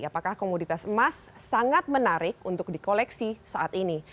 apakah komoditas emas sangat menarik untuk di koleksi saat ini